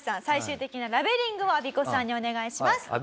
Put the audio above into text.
最終的なラベリングをアビコさんにお願いします。